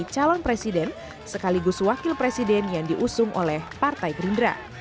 calon presiden sekaligus wakil presiden yang diusung oleh partai gerindra